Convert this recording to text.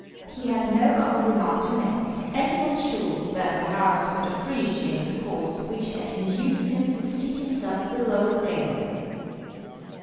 He had no other remark to make, and he was sure that the House would appreciate the course which had induced him to seat himself below the gangway.